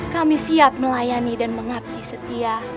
kami siap melayani dan mengabdi setia